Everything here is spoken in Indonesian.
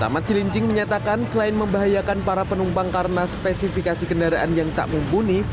tamat cilincing menyatakan selain membahayakan para penumpang karena spesifikasi kendaraan yang tak mumpuni